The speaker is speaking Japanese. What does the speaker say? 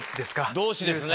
同志ですね。